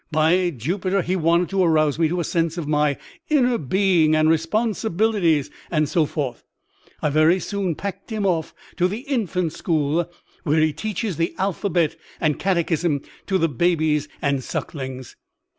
By Jupiter, he wanted to arouse me to a sense of my inner being and responsibilities and so forth. I very soon packed him off to the infant school where he teaches the alphabet and catechism to the babies and sucklings.